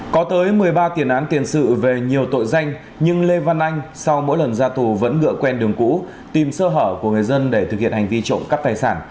có tới một mươi ba tiền án tiền sự về nhiều tội danh nhưng lê văn anh sau mỗi lần ra tù vẫn ngựa quen đường cũ tìm sơ hở của người dân để thực hiện hành vi trộm cắp tài sản